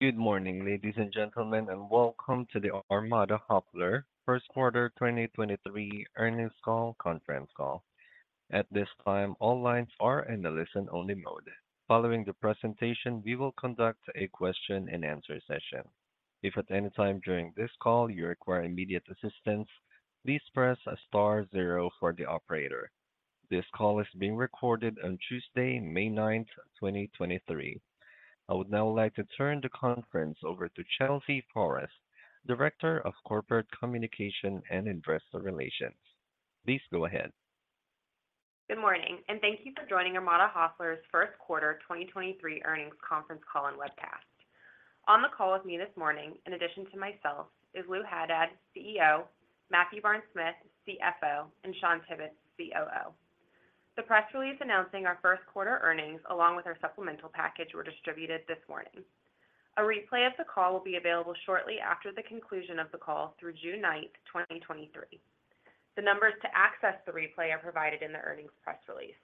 Good morning, ladies and gentlemen, and welcome to the Armada Hoffler First Quarter 2023 Earnings Call Conference Call. At this time, all lines are in a listen-only mode. Following the presentation, we will conduct a question-and-answer session. If at any time during this call you require immediate assistance, please press star zero for the operator. This call is being recorded on Tuesday, May 9th, 2023. I would now like to turn the conference over to Chelsea Forrest, Director of Corporate Communication and Investor Relations. Please go ahead. Good morning. Thank you for joining Armada Hoffler's First Quarter 2023 Earnings Conference Call and Webcast. On the call with me this morning, in addition to myself, is Lou Haddad, CEO, Matthew Barnes-Smith, CFO, and Shawn Tibbetts, COO. The press release announcing our first quarter earnings along with our supplemental package were distributed this morning. A replay of the call will be available shortly after the conclusion of the call through June 9, 2023. The numbers to access the replay are provided in the earnings press release.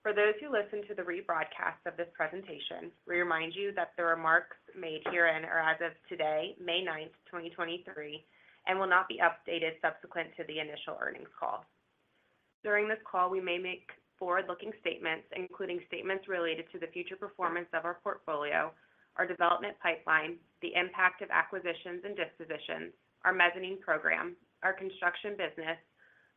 For those who listen to the rebroadcast of this presentation, we remind you that the remarks made herein are as of today, May 9, 2023, and will not be updated subsequent to the initial earnings call. During this call, we may make forward-looking statements, including statements related to the future performance of our portfolio, our development pipeline, the impact of acquisitions and dispositions, our mezzanine program, our construction business,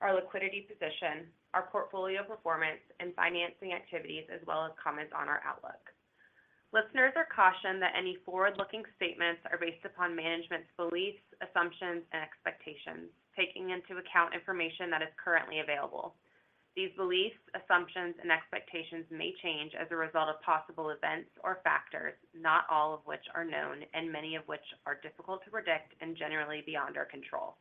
our liquidity position, our portfolio performance, and financing activities, as well as comments on our outlook. Listeners are cautioned that any forward-looking statements are based upon management's beliefs, assumptions, and expectations, taking into account information that is currently available. These beliefs, assumptions, and expectations may change as a result of possible events or factors, not all of which are known, and many of which are difficult to predict and generally beyond our control.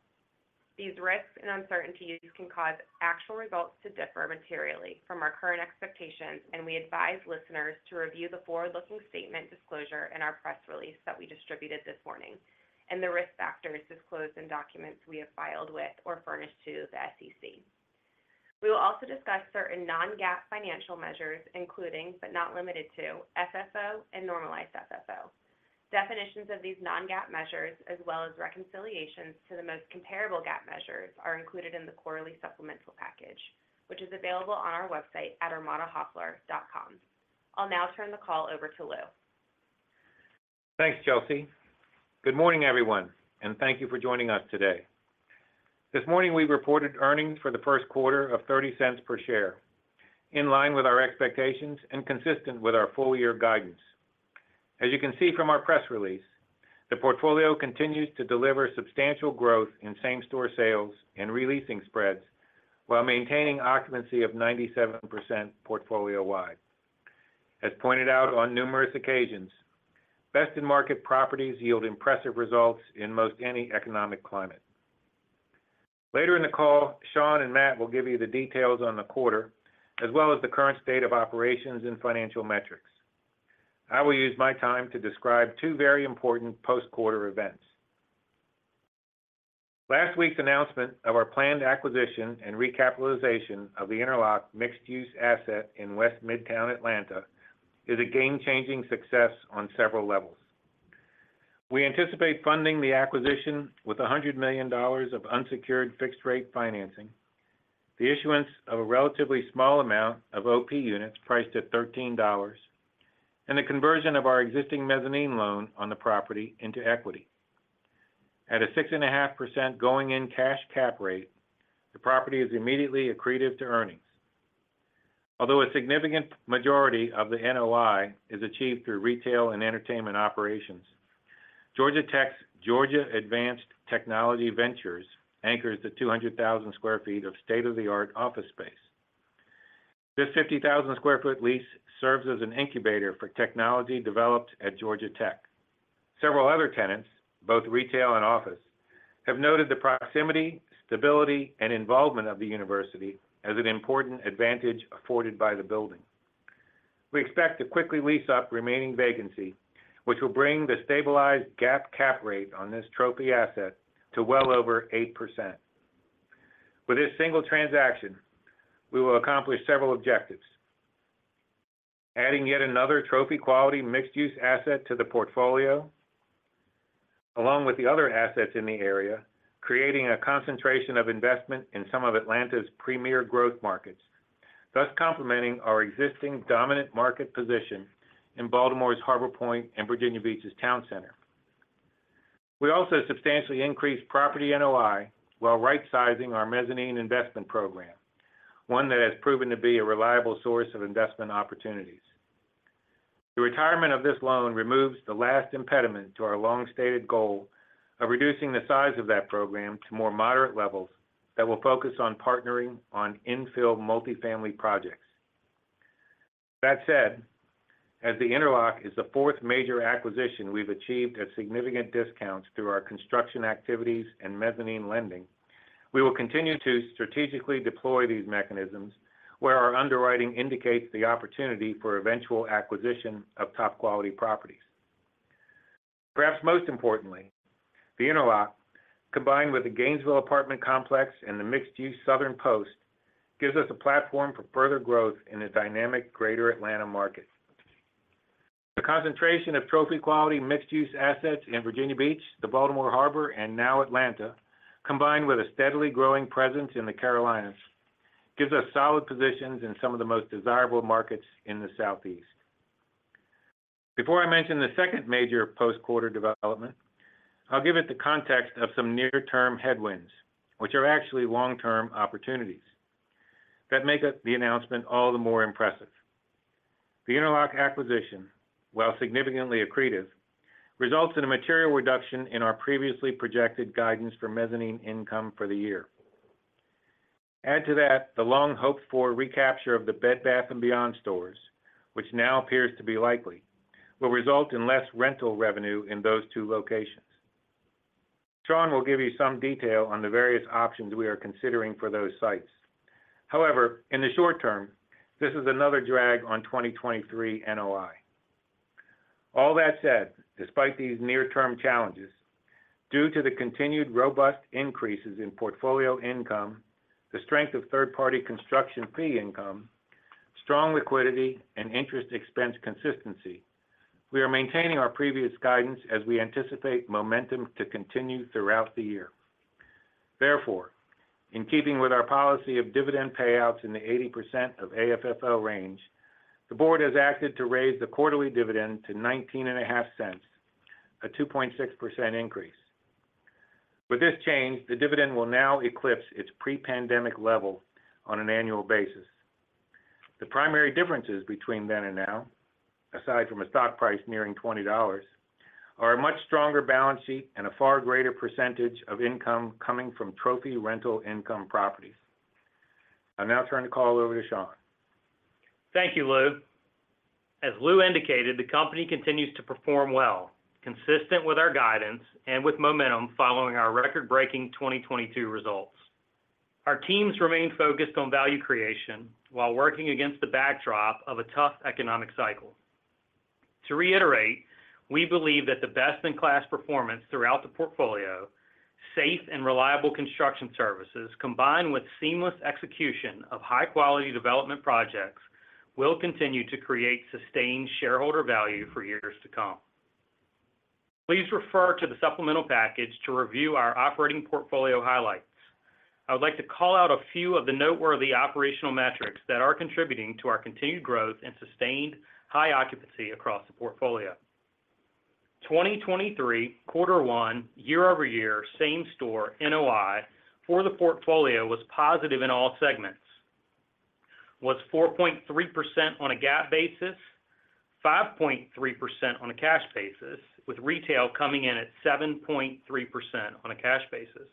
These risks and uncertainties can cause actual results to differ materially from our current expectations, and we advise listeners to review the forward-looking statement disclosure in our press release that we distributed this morning and the risk factors disclosed in documents we have filed with or furnished to the SEC. We will also discuss certain non-GAAP financial measures, including, but not limited to, FFO and normalized FFO. Definitions of these non-GAAP measures, as well as reconciliations to the most comparable GAAP measures, are included in the quarterly supplemental package, which is available on our website at armadahoffler.com. I'll now turn the call over to Lou. Thanks, Chelsea. Good morning, everyone. Thank you for joining us today. This morning we reported earnings for the first quarter of $0.30 per share, in line with our expectations and consistent with our full year guidance. You can see from our press release, the portfolio continues to deliver substantial growth in same-store sales and re-leasing spreads while maintaining occupancy of 97% portfolio-wide. As pointed out on numerous occasions, best-in-market properties yield impressive results in most any economic climate. Later in the call, Shawn and Matthew will give you the details on the quarter as well as the current state of operations and financial metrics. I will use my time to describe two very important post-quarter events. Last week's announcement of our planned acquisition and recapitalization of The Interlock mixed-use asset in West Midtown Atlanta is a game-changing success on several levels. We anticipate funding the acquisition with $100 million of unsecured fixed-rate financing, the issuance of a relatively small amount of OP units priced at $13, and the conversion of our existing mezzanine loan on the property into equity. At a 6.5% going-in cash cap rate, the property is immediately accretive to earnings. Although a significant majority of the NOI is achieved through retail and entertainment operations, Georgia Tech's Georgia Advanced Technology Ventures anchors the 200,000 sq ft of state-of-the-art office space. This 50,000 sq ft lease serves as an incubator for technology developed at Georgia Tech. Several other tenants, both retail and office, have noted the proximity, stability, and involvement of the university as an important advantage afforded by the building. We expect to quickly lease up remaining vacancy, which will bring the stabilized GAAP cap rate on this trophy asset to well over 8%. With this single transaction, we will accomplish several objectives. Adding yet another trophy quality mixed-use asset to the portfolio. Along with the other assets in the area, creating a concentration of investment in some of Atlanta's premier growth markets, thus complementing our existing dominant market position in Baltimore's Harbor Point and Virginia Beach's Town Center. We also substantially increased property NOI while right-sizing our mezzanine investment program, one that has proven to be a reliable source of investment opportunities. The retirement of this loan removes the last impediment to our long-stated goal of reducing the size of that program to more moderate levels that will focus on partnering on in-field multifamily projects. That said, as The Interlock is the fourth major acquisition we've achieved at significant discounts through our construction activities and mezzanine lending, we will continue to strategically deploy these mechanisms where our underwriting indicates the opportunity for eventual acquisition of top-quality properties. Perhaps most importantly. The Interlock, combined with the Gainesville apartment complex and the mixed-use Southern Post, gives us a platform for further growth in a dynamic greater Atlanta market. The concentration of trophy quality mixed-use assets in Virginia Beach, the Baltimore Harbor, and now Atlanta, combined with a steadily growing presence in the Carolinas, gives us solid positions in some of the most desirable markets in the Southeast. Before I mention the second major post-quarter development, I'll give it the context of some near-term headwinds, which are actually long-term opportunities that make up the announcement all the more impressive. The Interlock acquisition, while significantly accretive, results in a material reduction in our previously projected guidance for mezzanine income for the year. Add to that, the long hoped for recapture of the Bed Bath & Beyond stores, which now appears to be likely, will result in less rental revenue in those two locations. Shawn will give you some detail on the various options we are considering for those sites. However, in the short term, this is another drag on 2023 NOI. All that said, despite these near-term challenges, due to the continued robust increases in portfolio income, the strength of third-party construction fee income, strong liquidity, and interest expense consistency, we are maintaining our previous guidance as we anticipate momentum to continue throughout the year. In keeping with our policy of dividend payouts in the 80% of AFFO range, the board has acted to raise the quarterly dividend to nineteen and a half cents, a 2.6% increase. With this change, the dividend will now eclipse its pre-pandemic level on an annual basis. The primary differences between then and now, aside from a stock price nearing $20, are a much stronger balance sheet and a far greater percentage of income coming from trophy rental income properties. I'll now turn the call over to Shawn. Thank you, Lou. As Lou indicated, the company continues to perform well, consistent with our guidance and with momentum following our record-breaking 2022 results. Our teams remain focused on value creation while working against the backdrop of a tough economic cycle. To reiterate, we believe that the best in class performance throughout the portfolio, safe and reliable construction services, combined with seamless execution of high quality development projects, will continue to create sustained shareholder value for years to come. Please refer to the supplemental package to review our operating portfolio highlights. I would like to call out a few of the noteworthy operational metrics that are contributing to our continued growth and sustained high occupancy across the portfolio. 2023 Q1 year-over-year same-store NOI for the portfolio was positive in all segments, was 4.3% on a GAAP basis, 5.3% on a cash basis, with retail coming in at 7.3% on a cash basis.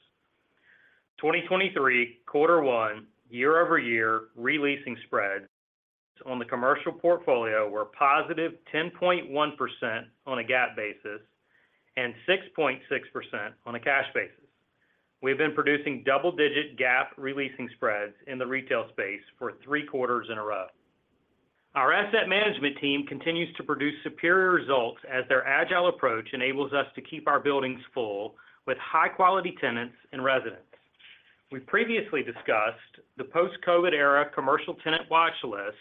2023 Q1 year-over-year re-leasing spreads on the commercial portfolio were positive 10.1% on a GAAP basis and 6.6% on a cash basis. We've been producing double-digit GAAP re-leasing spreads in the retail space for three quarters in a row. Our asset management team continues to produce superior results as their agile approach enables us to keep our buildings full with high-quality tenants and residents. We previously discussed the post-COVID era commercial tenant watch list,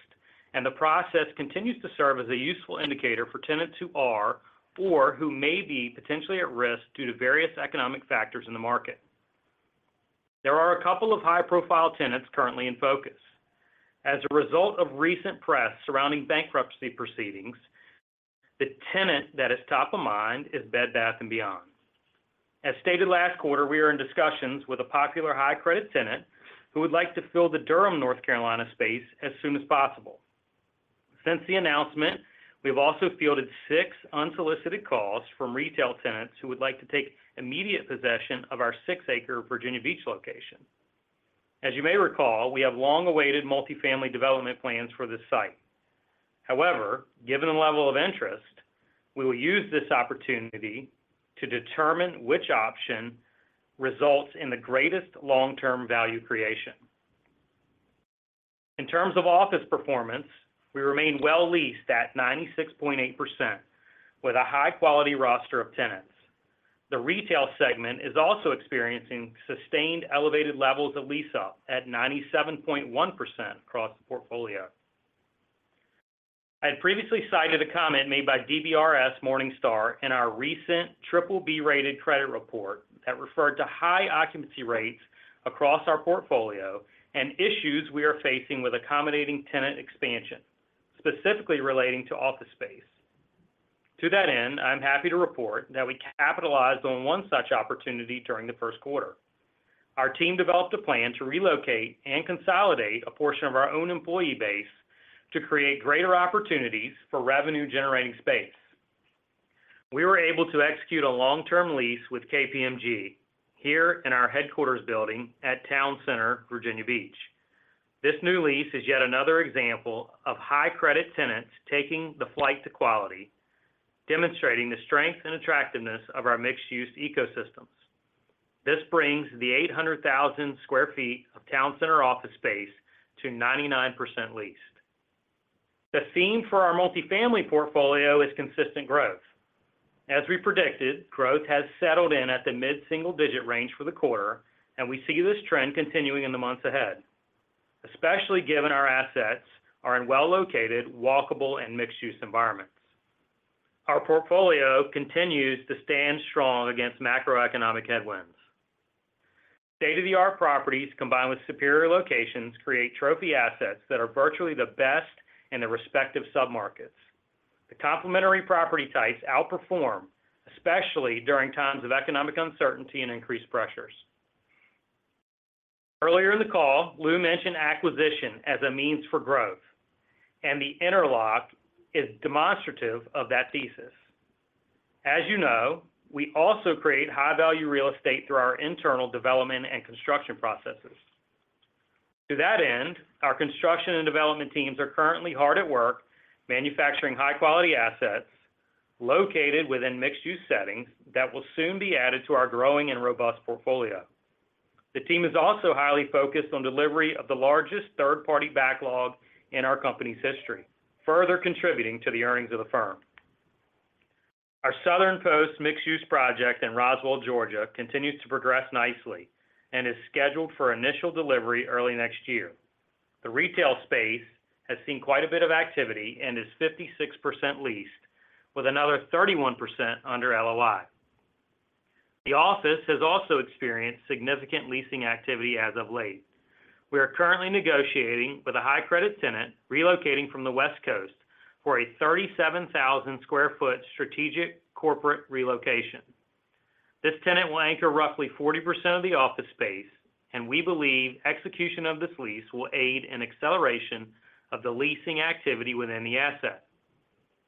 the process continues to serve as a useful indicator for tenants who are or who may be potentially at risk due to various economic factors in the market. There are 2 high-profile tenants currently in focus. As a result of recent press surrounding bankruptcy proceedings, the tenant that is top of mind is Bed Bath & Beyond. As stated last quarter, we are in discussions with a popular high credit tenant who would like to fill the Durham, North Carolina space as soon as possible. Since the announcement, we've also fielded 6 unsolicited calls from retail tenants who would like to take immediate possession of our 6-acre Virginia Beach location. As you may recall, we have long-awaited multifamily development plans for this site. However, given the level of interest, we will use this opportunity to determine which option results in the greatest long-term value creation. In terms of office performance, we remain well leased at 96.8% with a high-quality roster of tenants. The retail segment is also experiencing sustained elevated levels of lease up at 97.1% across the portfolio. I had previously cited a comment made by Morningstar DBRS in our recent triple B-rated credit report that referred to high occupancy rates across our portfolio and issues we are facing with accommodating tenant expansion, specifically relating to office space. To that end, I'm happy to report that we capitalized on one such opportunity during the first quarter. Our team developed a plan to relocate and consolidate a portion of our own employee base to create greater opportunities for revenue-generating space. We were able to execute a long-term lease with KPMG here in our headquarters building at Town Center, Virginia Beach. This new lease is yet another example of high credit tenants taking the flight to quality, demonstrating the strength and attractiveness of our mixed-use ecosystems. This brings the 800,000 square feet of Town Center office space to 99% leased. The theme for our multifamily portfolio is consistent growth. As we predicted, growth has settled in at the mid-single digit range for the quarter. We see this trend continuing in the months ahead, especially given our assets are in well-located, walkable and mixed-use environments. Our portfolio continues to stand strong against macroeconomic headwinds. State-of-the-art properties, combined with superior locations, create trophy assets that are virtually the best in their respective submarkets. The complementary property types outperform, especially during times of economic uncertainty and increased pressures. Earlier in the call, Lou mentioned acquisition as a means for growth. The Interlock is demonstrative of that thesis. As you know, we also create high-value real estate through our internal development and construction processes. To that end, our construction and development teams are currently hard at work manufacturing high-quality assets located within mixed-use settings that will soon be added to our growing and robust portfolio. The team is also highly focused on delivery of the largest third-party backlog in our company's history, further contributing to the earnings of the firm. Our Southern Post mixed-use project in Roswell, Georgia continues to progress nicely and is scheduled for initial delivery early next year. The retail space has seen quite a bit of activity and is 56% leased with another 31% under LOI. The office has also experienced significant leasing activity as of late. We are currently negotiating with a high credit tenant relocating from the West Coast for a 37,000 sq ft strategic corporate relocation. This tenant will anchor roughly 40% of the office space, and we believe execution of this lease will aid in acceleration of the leasing activity within the asset.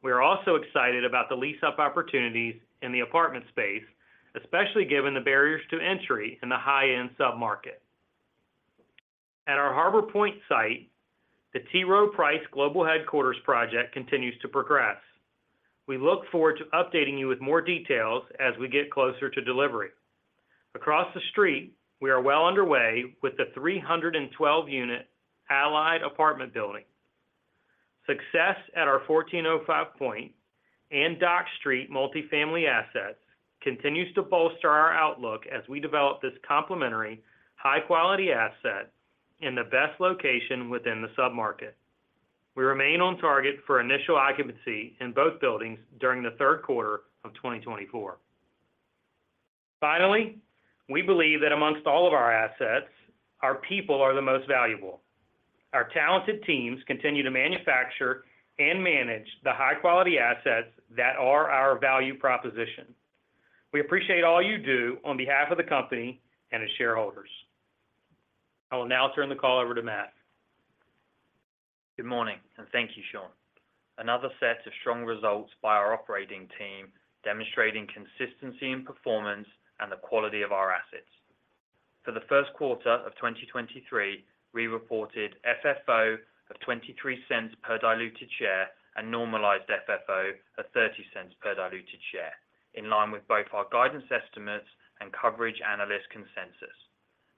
We are also excited about the lease-up opportunities in the apartment space, especially given the barriers to entry in the high-end submarket. At our Harbor Point, the T. Rowe Price global headquarters project continues to progress. We look forward to updating you with more details as we get closer to delivery. Across the street, we are well underway with the 312 unit Allied | Harbor Point. Success at our 1405 Point and Dock Street multifamily assets continues to bolster our outlook as we develop this complementary high-quality asset in the best location within the submarket. We remain on target for initial occupancy in both buildings during the 3rd quarter of 2024. Finally, we believe that amongst all of our assets, our people are the most valuable. Our talented teams continue to manufacture and manage the high-quality assets that are our value proposition. We appreciate all you do on behalf of the company and its shareholders. I will now turn the call over to Matt. Good morning, and thank you, Shawn. Another set of strong results by our operating team, demonstrating consistency in performance and the quality of our assets. For the first quarter of 2023, we reported FFO of $0.23 per diluted share and normalized FFO of $0.30 per diluted share, in line with both our guidance estimates and coverage analyst consensus.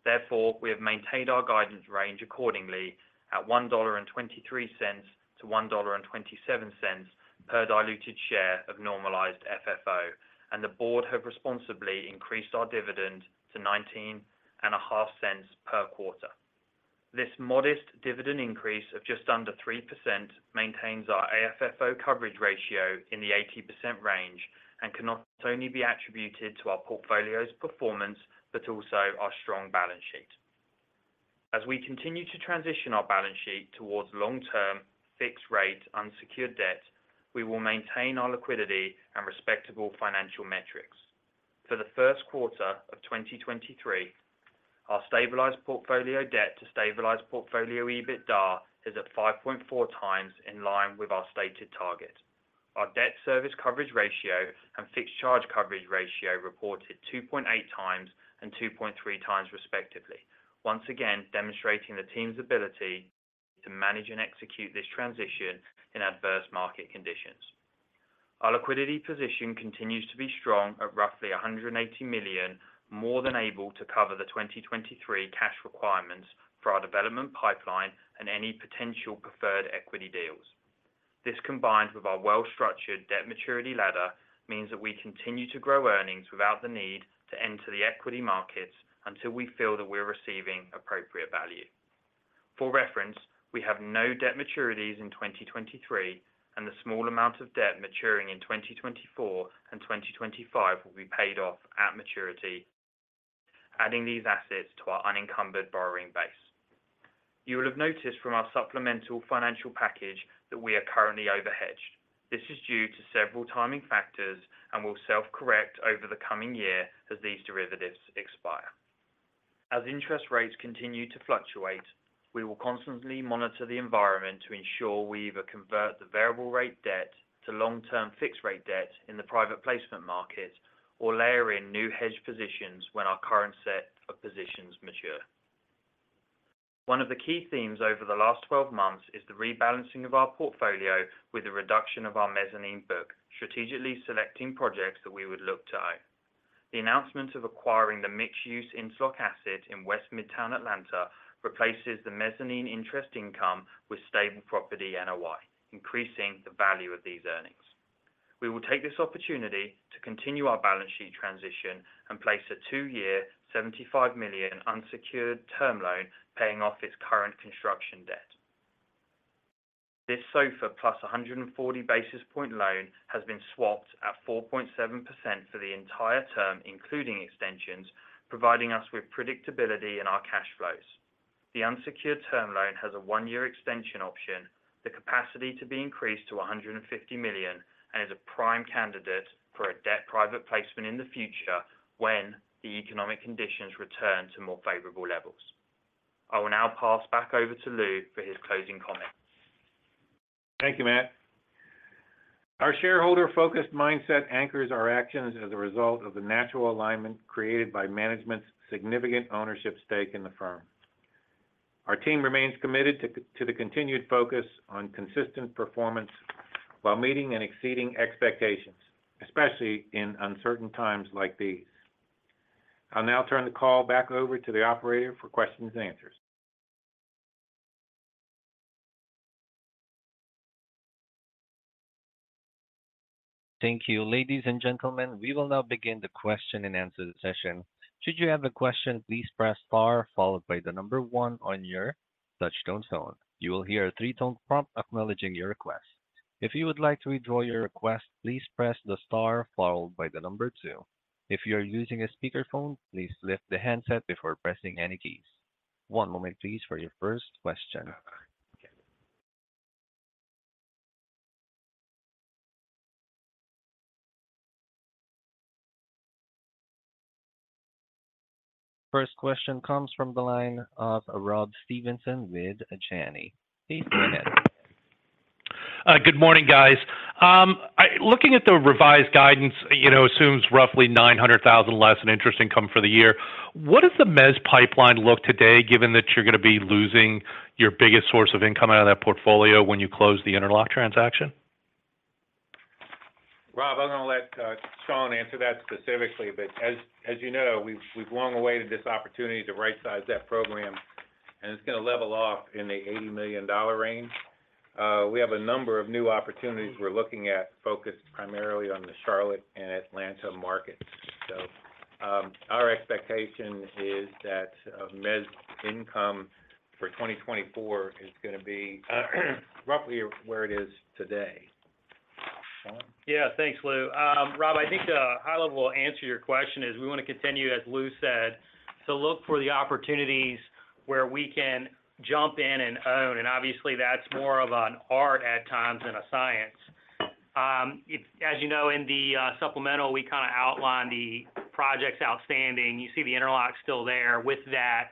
Therefore, we have maintained our guidance range accordingly at $1.23-$1.27 per diluted share of normalized FFO, and the board have responsibly increased our dividend to $0.195 per quarter. This modest dividend increase of just under 3% maintains our AFFO coverage ratio in the 80% range and cannot only be attributed to our portfolio's performance, but also our strong balance sheet. As we continue to transition our balance sheet towards long term fixed rate unsecured debt, we will maintain our liquidity and respectable financial metrics. For the first quarter of 2023, our stabilized portfolio debt to stabilized portfolio EBITDA is at 5.4 times in line with our stated target. Our debt service coverage ratio and fixed charge coverage ratio reported 2.8 times and 2.3 times respectively. Once again demonstrating the team's ability to manage and execute this transition in adverse market conditions. Our liquidity position continues to be strong at roughly $180 million, more than able to cover the 2023 cash requirements for our development pipeline and any potential preferred equity deals. This, combined with our well-structured debt maturity ladder, means that we continue to grow earnings without the need to enter the equity markets until we feel that we're receiving appropriate value. For reference, we have no debt maturities in 2023, and the small amount of debt maturing in 2024 and 2025 will be paid off at maturity, adding these assets to our unencumbered borrowing base. You will have noticed from our supplemental financial package that we are currently overhedged. This is due to several timing factors and will self-correct over the coming year as these derivatives expire. As interest rates continue to fluctuate, we will constantly monitor the environment to ensure we either convert the variable rate debt to long term fixed rate debt in the private placement market, or layer in new hedge positions when our current set of positions mature. One of the key themes over the last 12 months is the rebalancing of our portfolio with the reduction of our mezzanine book, strategically selecting projects that we would look to own. The announcement of acquiring the mixed-use The Interlock asset in West Midtown Atlanta replaces the mezzanine interest income with stable property NOI, increasing the value of these earnings. We will take this opportunity to continue our balance sheet transition and place a 2-year $75 million unsecured term loan paying off its current construction debt. This SOFR plus 140 basis point loan has been swapped at 4.7% for the entire term, including extensions, providing us with predictability in our cash flows. The unsecured term loan has a 1-year extension option, the capacity to be increased to $150 million, and is a prime candidate for a debt private placement in the future when the economic conditions return to more favorable levels. I will now pass back over to Lou for his closing comments. Thank you, Matt. Our shareholder-focused mindset anchors our actions as a result of the natural alignment created by management's significant ownership stake in the firm. Our team remains committed to the continued focus on consistent performance while meeting and exceeding expectations, especially in uncertain times like these. I'll now turn the call back over to the operator for questions and answers. Thank you. Ladies and gentlemen, we will now begin the question and answer session. Should you have a question, please press star followed by the number one on your touch-tone phone. You will hear a three-tone prompt acknowledging your request. If you would like to withdraw your request, please press the star followed by the number two. If you're using a speakerphone, please lift the handset before pressing any keys. One moment please for your first question. First question comes from the line of Rob Stevenson with Janney. Please go ahead. Good morning, guys. Looking at the revised guidance, you know, assumes roughly $900,000 less in interest income for the year. What does the mezz pipeline look today, given that you're gonna be losing your biggest source of income out of that portfolio when you close the Interlock transaction? Rob, I'm gonna let Shawn answer that specifically. As you know, we've long awaited this opportunity to right-size that program, and it's gonna level off in the $80 million range. We have a number of new opportunities we're looking at focused primarily on the Charlotte and Atlanta markets. Our expectation is that mezz income for 2024 is gonna be roughly where it is today. Shawn? Yeah. Thanks, Lou. Rob, I think the high-level answer to your question is we wanna continue, as Lou said, to look for the opportunities where we can jump in and own. Obviously, that's more of an art at times than a science. As you know, in the supplemental, we kinda outlined the projects outstanding. You see The Interlock still there with that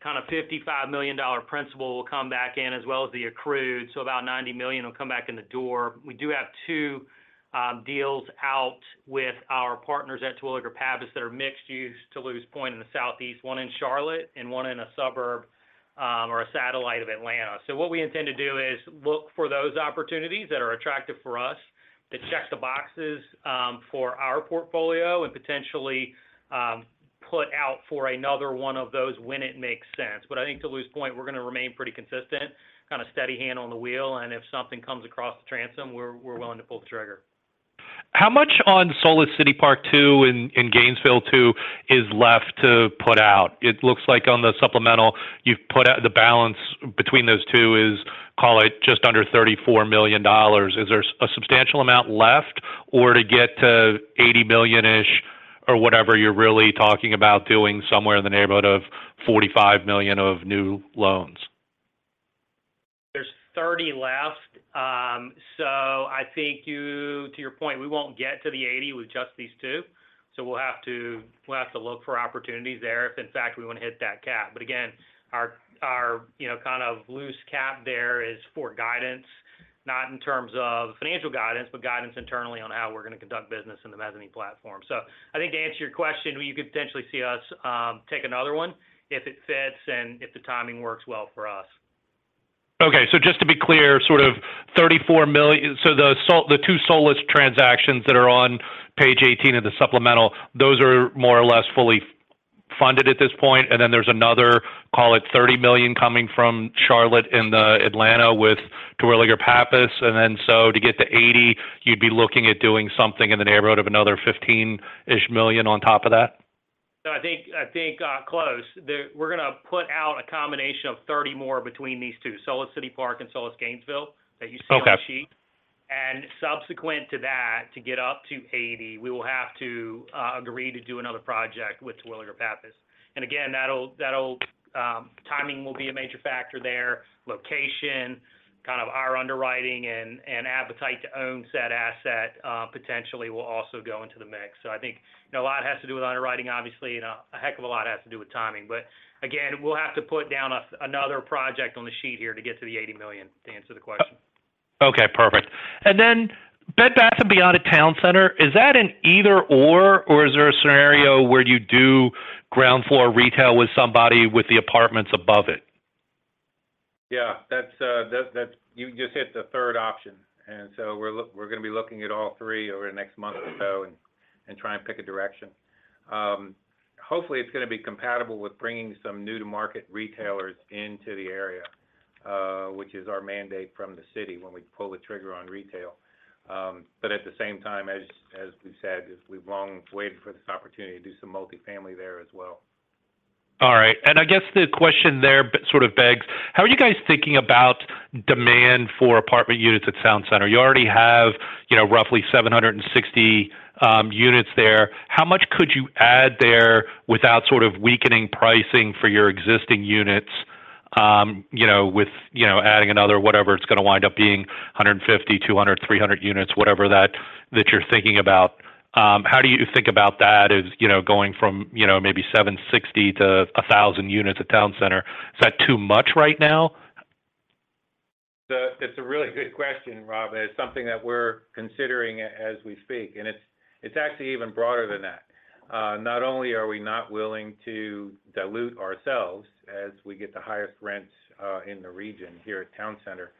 kind of $55 million principal will come back in as well as the accrued, so about $90 million will come back in the door. We do have 2 deals out with our partners at Terwilliger Pappas that are mixed use to Lou's point in the Southeast, one in Charlotte and one in a suburb or a satellite of Atlanta. What we intend to do is look for those opportunities that are attractive for us to check the boxes for our portfolio and potentially put out for another one of those when it makes sense. I think to Lou's point, we're gonna remain pretty consistent, kinda steady hand on the wheel, and if something comes across the transom, we're willing to pull the trigger. How much on Solis City Park in Gainesville, too, is left to put out? It looks like on the supplemental, you've put out the balance between those two is, call it, just under $34 million. Is there a substantial amount left or to get to 80 million-ish or whatever you're really talking about doing somewhere in the neighborhood of $45 million of new loans? There's 30 left. I think to your point, we won't get to the 80 with just these two. We'll have to look for opportunities there if in fact we wanna hit that cap. Again, our, you know, kind of loose cap there is for guidance, not in terms of financial guidance, but guidance internally on how we're gonna conduct business in the mezzanine platform. I think to answer your question, you could potentially see us take another one if it fits and if the timing works well for us. Okay, just to be clear, sort of $34 million... The two Solis transactions that are on page 18 of the supplemental, those are more or less fully funded at this point. There's another, call it, $30 million coming from Charlotte and Atlanta with Terwilliger Pappas. To get to 80, you'd be looking at doing something in the neighborhood of another $15 million-ish on top of that? No, I think close. We're gonna put out a combination of 30 more between these two, Solis City Park and Solis Gainesville that you see. Okay On the sheet. Subsequent to that, to get up to 80, we will have to agree to do another project with Terwilliger Pappas. Again, timing will be a major factor there. Location, kind of our underwriting and appetite to own set asset, potentially will also go into the mix. I think, you know, a lot has to do with underwriting, obviously, and a heck of a lot has to do with timing. Again, we'll have to put down another project on the sheet here to get to the $80 million to answer the question. Okay, perfect. Bed Bath & Beyond at Town Center, is that an either/or is there a scenario where you do ground floor retail with somebody with the apartments above it? Yeah, that's you just hit the third option. We're gonna be looking at all three over the next month or so and try and pick a direction. Hopefully, it's gonna be compatible with bringing some new-to-market retailers into the area, which is our mandate from the city when we pull the trigger on retail. At the same time, as we've said, is we've long waited for this opportunity to do some multifamily there as well. All right. I guess the question there sort of begs, how are you guys thinking about demand for apartment units at Town Center? You already have, you know, roughly 760 units there. How much could you add there without sort of weakening pricing for your existing units, you know, with, you know, adding another whatever it's gonna wind up being, 150, 200, 300 units, whatever that you're thinking about. How do you think about that as, you know, going from, you know, maybe 760 to 1,000 units at Town Center? Is that too much right now? That's a really good question, Rob. It's something that we're considering as we speak, it's actually even broader than that. Not only are we not willing to dilute ourselves as we get the highest rents in the region here at Town Center,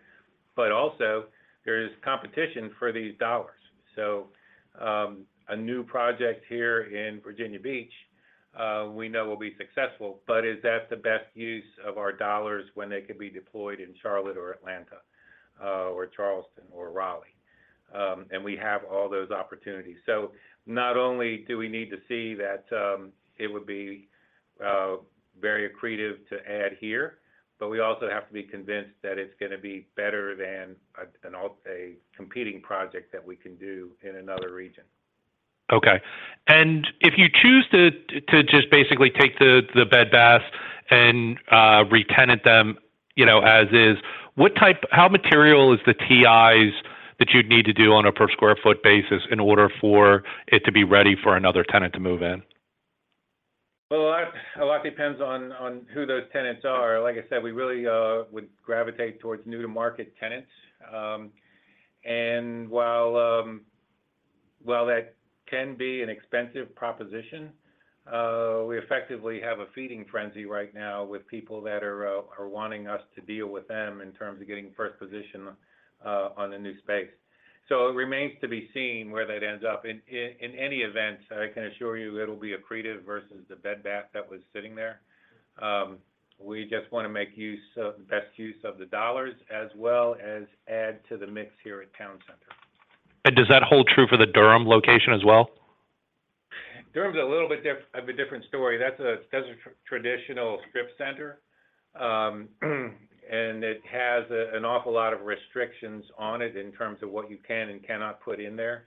also there is competition for these dollars. A new project here in Virginia Beach, we know will be successful, but is that the best use of our dollars when they could be deployed in Charlotte or Atlanta or Charleston or Raleigh? We have all those opportunities. Not only do we need to see that, it would be very accretive to add here, but we also have to be convinced that it's gonna be better than a competing project that we can do in another region. Okay. If you choose to just basically take the Bed Bath and retenant them, you know, as is, how material is the TIs that you'd need to do on a per square foot basis in order for it to be ready for another tenant to move in? Well, a lot depends on who those tenants are. Like I said, we really would gravitate towards new-to-market tenants. While that can be an expensive proposition, we effectively have a feeding frenzy right now with people that are wanting us to deal with them in terms of getting first position on the new space. It remains to be seen where that ends up. In any event, I can assure you it'll be accretive versus the Bed Bath that was sitting there. We just wanna make use of, best use of the dollars, as well as add to the mix here at Town Center. Does that hold true for the Durham location as well? Durham's a little bit of a different story. That's a traditional strip center, and it has an awful lot of restrictions on it in terms of what you can and cannot put in there.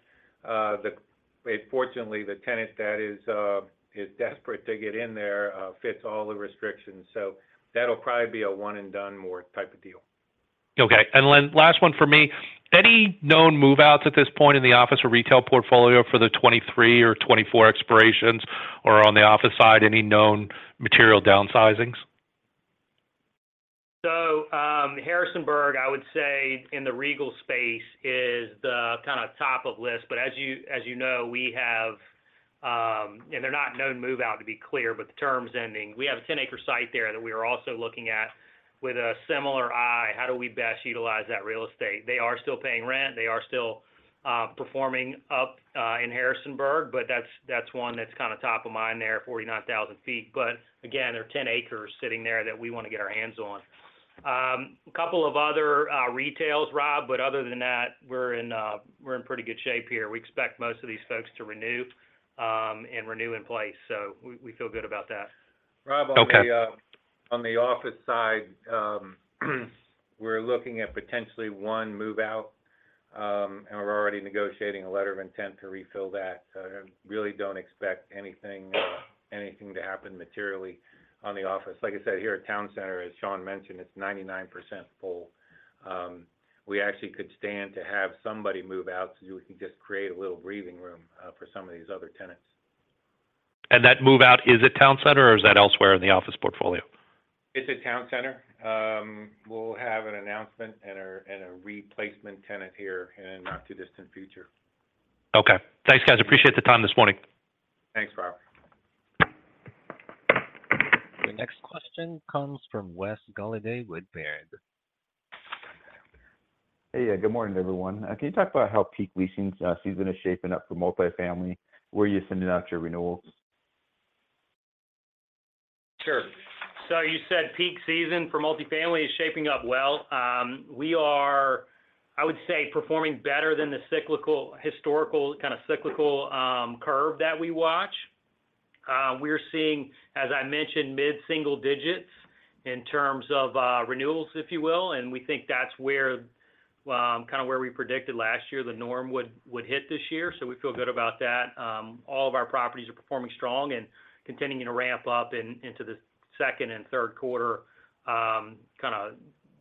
Fortunately, the tenant that is desperate to get in there fits all the restrictions. That'll probably be a one and done more type of deal. Okay. Last one from me. Any known move-outs at this point in the office or retail portfolio for the 2023 or 2024 expirations? On the office side, any known material downsizings? Harrisonburg, I would say in the Regal space, is the kinda top of list. As you know, we have. They're not known move out to be clear, but the term's ending. We have a 10-acre site there that we are also looking at with a similar eye, how do we best utilize that real estate? They are still paying rent, they are still performing up in Harrisonburg, but that's one that's kinda top of mind there, 49,000 feet. Again, there are 10 acres sitting there that we wanna get our hands on. A couple of other retails, Rob, other than that, we're in pretty good shape here. We expect most of these folks to renew and renew in place. We feel good about that. Okay. Rob, on the on the office side, we're looking at potentially one move out, and we're already negotiating a letter of intent to refill that. I really don't expect anything to happen materially on the office. Like I said, here at Town Center, as Shawn mentioned, it's 99% full. We actually could stand to have somebody move out so we can just create a little breathing room for some of these other tenants. That move out, is it Town Center, or is that elsewhere in the office portfolio? It's at Town Center. We'll have an announcement and a, and a replacement tenant here in the not-too-distant future. Okay. Thanks, guys. Appreciate the time this morning. Thanks, Rob. The next question comes from Wes Golladay with Baird. Hey. Good morning, everyone. Can you talk about how peak leasing season is shaping up for multifamily? Where are you sending out your renewals? Sure. You said peak season for multifamily is shaping up well. We are, I would say, performing better than the cyclical, historical cyclical curve that we watch. We're seeing, as I mentioned, mid-single digits in terms of renewals, if you will, and we think that's where we predicted last year the norm would hit this year. We feel good about that. All of our properties are performing strong and continuing to ramp up into the second and third quarter.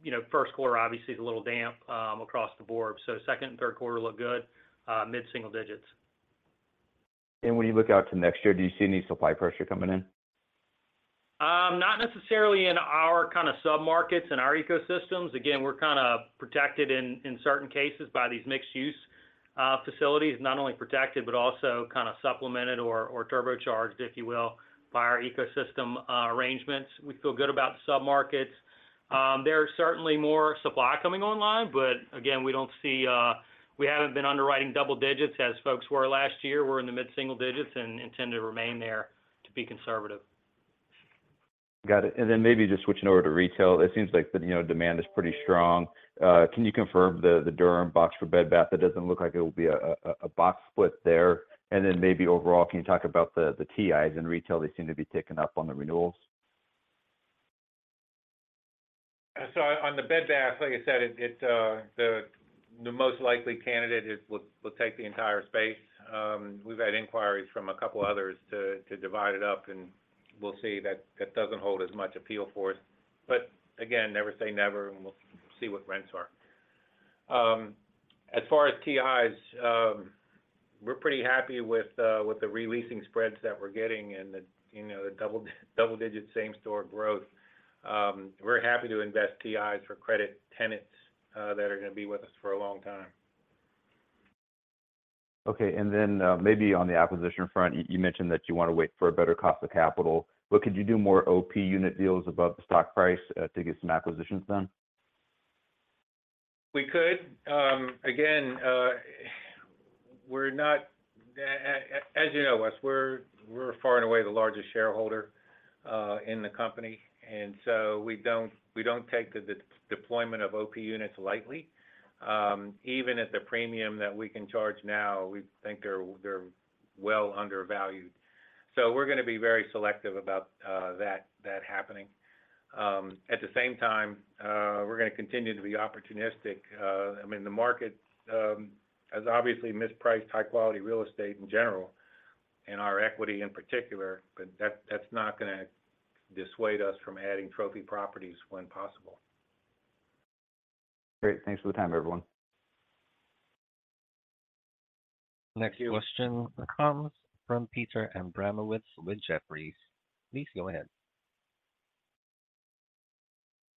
You know, first quarter obviously is a little damp across the board. Second and third quarter look good, mid-single digits. When you look out to next year, do you see any supply pressure coming in? Not necessarily in our kind of submarkets and our ecosystems. Again, we're kind of protected in certain cases by these mixed-use facilities, not only protected, but also kind of supplemented or turbocharged, if you will, by our ecosystem arrangements. We feel good about submarkets. There are certainly more supply coming online, but again, we haven't been underwriting double digits as folks were last year. We're in the mid-single digits and intend to remain there to be conservative. Got it. Maybe just switching over to retail, it seems like the, you know, demand is pretty strong. Can you confirm the Durham box for Bed Bath? It doesn't look like it will be a box split there. Maybe overall, can you talk about the TIs in retail? They seem to be ticking up on the renewals. On the Bed Bath, like I said, it's the most likely candidate will take the entire space. We've had inquiries from a couple others to divide it up, we'll see. That doesn't hold as much appeal for us. Again, never say never, we'll see what rents are. As far as TIs, we're pretty happy with the re-leasing spreads that we're getting and, you know, the double-digit same-store growth. We're happy to invest TIs for credit tenants that are gonna be with us for a long time. Okay. Maybe on the acquisition front, you mentioned that you wanna wait for a better cost of capital. Could you do more OP unit deals above the stock price, to get some acquisitions done? We could. Again, as you know, Wes, we're far and away the largest shareholder in the company. We don't take the de-deployment of OP units lightly. Even at the premium that we can charge now, we think they're well undervalued. We're gonna be very selective about that happening. At the same time, we're gonna continue to be opportunistic. I mean, the market has obviously mispriced high-quality real estate in general, and our equity in particular, that's not gonna dissuade us from adding trophy properties when possible. Great. Thanks for the time, everyone. Next question comes from Peter Abramowitz with Jefferies. Please go ahead.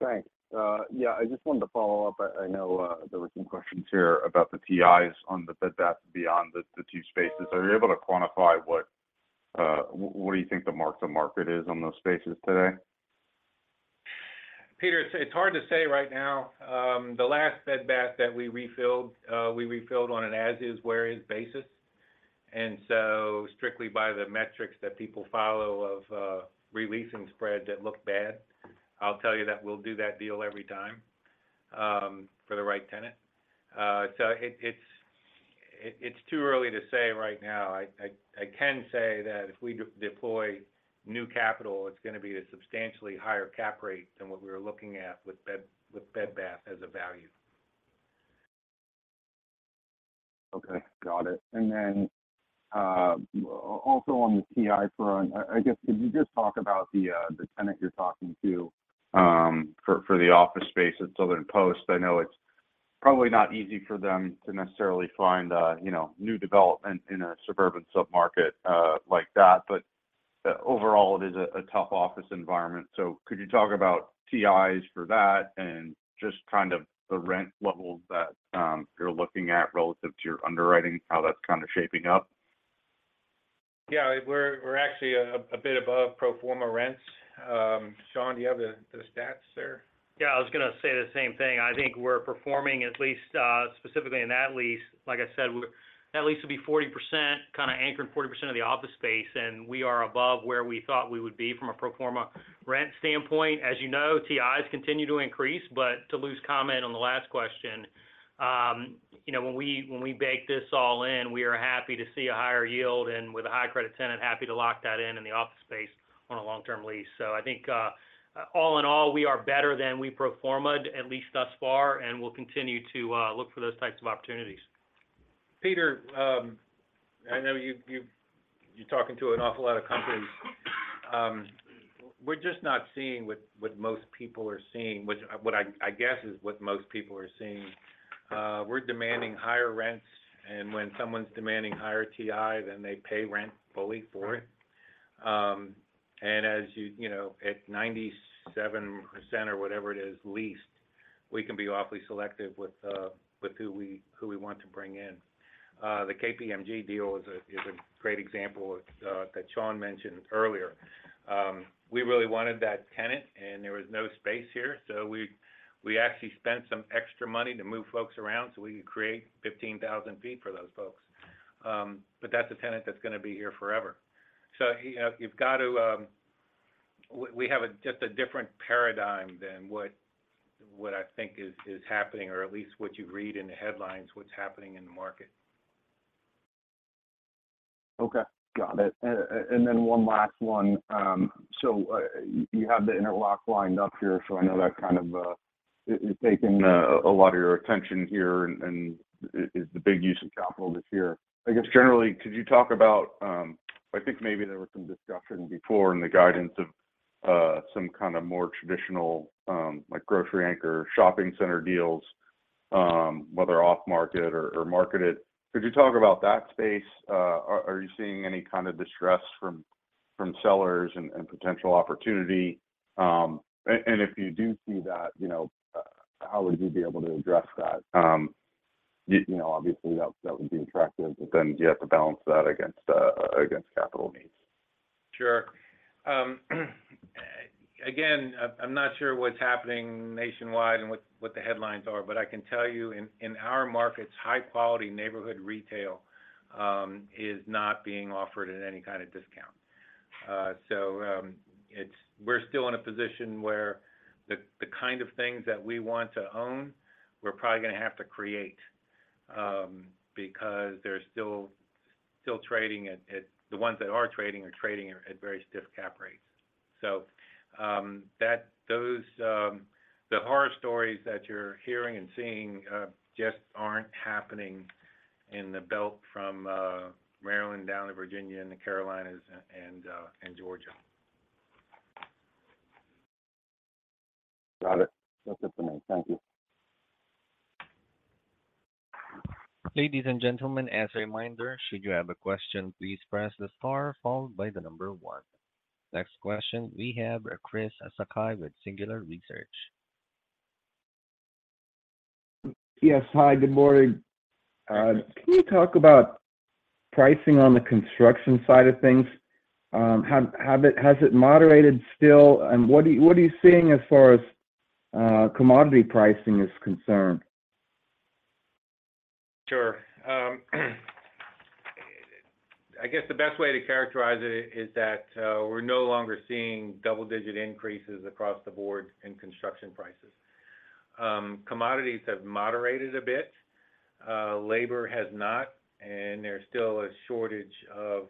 Thanks. Yeah, I just wanted to follow up. I know there were some questions here about the TIs on the Bed Bath & Beyond the two spaces. Are you able to quantify what do you think the mark-to-market is on those spaces today? Peter, it's hard to say right now. The last Bed Bath that we refilled, we refilled on an as-is-where-is basis. Strictly by the metrics that people follow of re-leasing spreads that look bad, I'll tell you that we'll do that deal every time for the right tenant. It's too early to say right now. I can say that if we de-deploy new capital, it's gonna be at a substantially higher cap rate than what we were looking at with Bed Bath as a value. Okay. Got it. Also on the TI front, I guess could you just talk about the tenant you're talking to, for the office space at Southern Post? I know it's probably not easy for them to necessarily find a, you know, new development in a suburban submarket, like that. Overall it is a tough office environment. Could you talk about TIs for that and just kind of the rent levels that you're looking at relative to your underwriting, how that's kind of shaping up? Yeah. We're actually a bit above pro forma rents. Shawn, do you have the stats there? Yeah. I was gonna say the same thing. I think we're performing at least, specifically in that lease, like I said, That lease will be 40%, kind of anchoring 40% of the office space, and we are above where we thought we would be from a pro forma rent standpoint. As you know, TIs continue to increase. To Lou's comment on the last question, you know, when we bake this all in, we are happy to see a higher yield, and with a high credit tenant, happy to lock that in in the office space on a long-term lease. I think, all in all, we are better than we pro formad, at least thus far, and we'll continue to look for those types of opportunities. Peter, I know you're talking to an awful lot of companies. We're just not seeing what most people are seeing, which I guess is what most people are seeing. We're demanding higher rents. When someone's demanding higher TI, then they pay rent fully for it. As you know, at 97% or whatever it is leased, we can be awfully selective with who we want to bring in. The KPMG deal is a great example that Shawn mentioned earlier. We really wanted that tenant. There was no space here, we actually spent some extra money to move folks around so we could create 15,000 feet for those folks. That's a tenant that's gonna be here forever. You know, you've got to We have a just a different paradigm than what I think is happening, or at least what you read in the headlines, what's happening in the market. Okay. Got it. One last one. You have The Interlock lined up here, so I know that kind of, is taking a lot of your attention here and is the big use of capital this year. I guess generally, could you talk about... I think maybe there was some discussion before in the guidance of, some kind of more traditional, like grocery anchor shopping center deals, whether off-market or marketed. Could you talk about that space? Are you seeing any kind of distress from sellers and potential opportunity? If you do see that, you know, how would you be able to address that? you know, obviously that would be attractive, but then you have to balance that against capital needs. Sure. Again, I'm not sure what's happening nationwide and what the headlines are, but I can tell you in our markets, high quality neighborhood retail is not being offered at any kind of discount. We're still in a position where the kind of things that we want to own, we're probably gonna have to create because they're still trading at very stiff cap rates. Those horror stories that you're hearing and seeing just aren't happening in the belt from Maryland down to Virginia and the Carolinas and Georgia. Got it. That's it for me. Thank you. Ladies and gentlemen, as a reminder, should you have a question, please press the star followed by one. Next question, we have Chris Sakai with Singular Research. Yes. Hi, good morning. Can you talk about pricing on the construction side of things? Has it moderated still? What are you seeing as far as commodity pricing is concerned? Sure. I guess the best way to characterize it is that we're no longer seeing double-digit increases across the board in construction prices. Commodities have moderated a bit, labor has not, and there's still a shortage of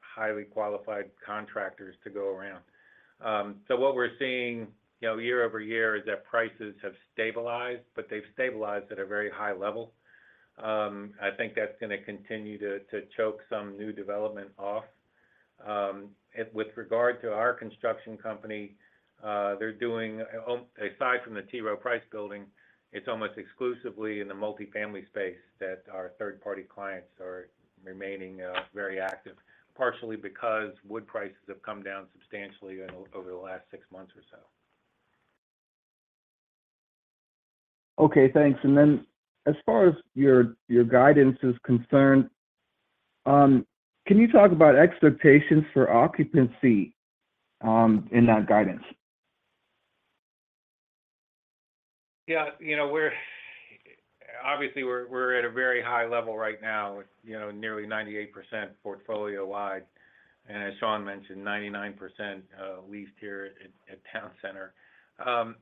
highly qualified contractors to go around. What we're seeing, you know, year-over-year is that prices have stabilized, but they've stabilized at a very high level. I think that's gonna continue to choke some new development off. With regard to our construction company, they're doing, aside from the T. Rowe Price building, it's almost exclusively in the multifamily space that our third-party clients are remaining very active, partially because wood prices have come down substantially over the last six months or so. Okay, thanks. As far as your guidance is concerned, can you talk about expectations for occupancy, in that guidance? Yeah. You know, we're obviously at a very high level right now with, you know, nearly 98% portfolio-wide. As Shawn mentioned, 99% leased here at Town Center. Our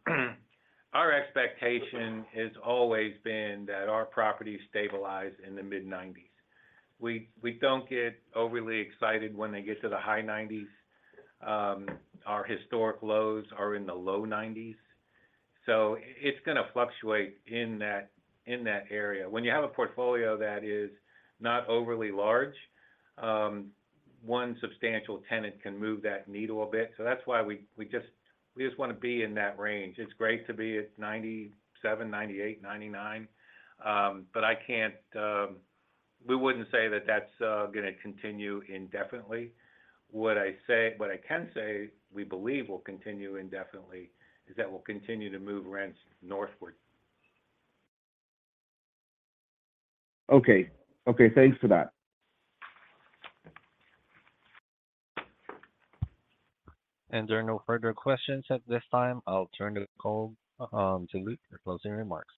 expectation has always been that our properties stabilize in the mid-90s. We don't get overly excited when they get to the high 90s. Our historic lows are in the low 90s, so it's gonna fluctuate in that, in that area. When you have a portfolio that is not overly large, one substantial tenant can move that needle a bit. That's why we just wanna be in that range. It's great to be at 97, 98, 99, but I can't. We wouldn't say that that's gonna continue indefinitely. What I can say we believe will continue indefinitely is that we'll continue to move rents northward. Okay. Okay, thanks for that. There are no further questions at this time. I'll turn the call to Lou for closing remarks.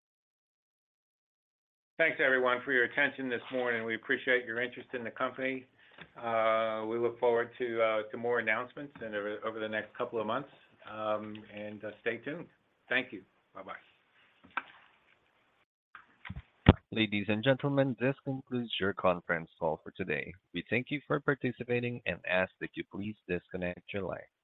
Thanks everyone for your attention this morning. We appreciate your interest in the company. We look forward to more announcements over the next couple of months. Stay tuned. Thank you. Bye-bye. Ladies and gentlemen, this concludes your conference call for today. We thank you for participating and ask that you please disconnect your line.